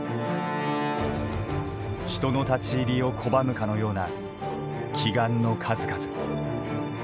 人の立ち入りを拒むかのような奇岩の数々。